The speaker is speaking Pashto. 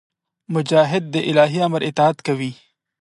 مجاهد د الهي امر اطاعت کوي.